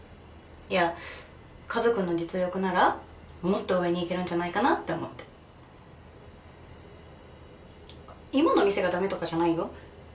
いやかずくんの実力ならもっと上にいけるんじゃないかなって思って今の店がダメとかじゃないよ